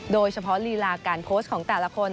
โดยเฉพาะลีลาการโพสต์ของแต่ละคน